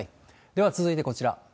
では続いて、こちら。